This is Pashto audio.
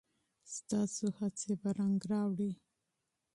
ستاسو هڅې به رنګ راوړي.